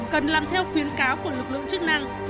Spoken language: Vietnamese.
cần làm theo khuyến cáo của lực lượng chức năng